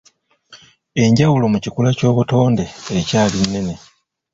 Enjawulo mu kikula ky'obutonde ekyali nnene.